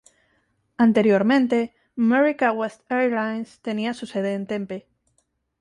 Anteriormente, America West Airlines tenía su sede en Tempe.